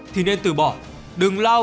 thì nên từ bỏ đừng lao